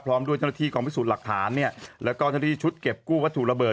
พร้อมด้วยเจ้าหน้าที่กองพิสูจน์หลักฐานเนี่ยแล้วก็เจ้าหน้าที่ชุดเก็บกู้วัตถุระเบิด